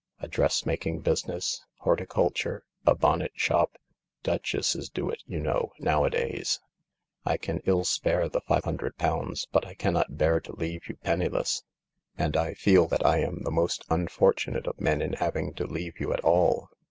A dressmaking business ? Horticulture ? A bonnet shop ? Duchesses do it, you know* nowadays. " I can ill spare the £500, but I cannot bear to leave you penniless. And I feel that I am the most unfortunate of men in having to leave you at all.